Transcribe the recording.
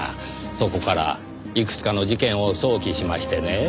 そこからいくつかの事件を想起しましてねぇ。